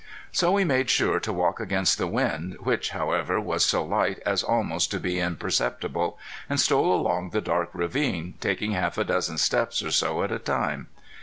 So we made sure to work against the wind, which, however, was so light as almost to be imperceptible, and stole along the dark ravine, taking half a dozen steps or so at a time.